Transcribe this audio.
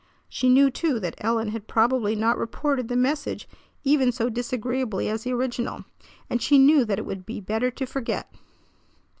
She knew, too, that Ellen had probably not reported the message even so disagreeably as the original, and she knew that it would be better to forget.